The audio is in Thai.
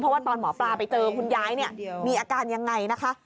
เพราะว่าตอนหมอปลาไปเจอคุณยายเนี่ยมีอาการยังไงนะคะ